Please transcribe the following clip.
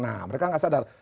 nah mereka nggak sadar